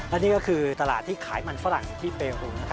และนี่ก็คือตลาดที่ขายมันฝรั่งที่เปรู